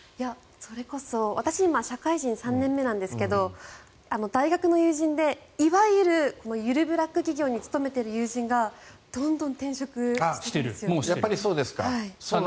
それこそ私、今社会人３年目なんですが大学の友人でいわゆるゆるブラック企業に勤めている友人がやっぱりそうですか。